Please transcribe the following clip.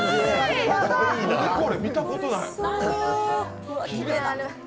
何これ見たことない！